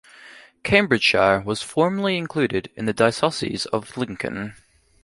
Cambridgeshire was formerly included in the diocese of Lincoln.